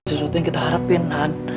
sesuatu yang kita harapin